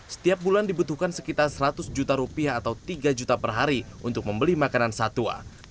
setiap bulan dibutuhkan sekitar seratus juta rupiah atau tiga juta per hari untuk membeli makanan satwa